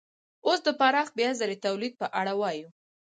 اوس د پراخ بیا ځلي تولید په اړه وایو